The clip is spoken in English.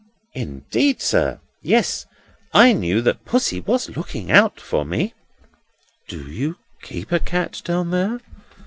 "Indeed, sir! Yes; I knew that Pussy was looking out for me." "Do you keep a cat down there?"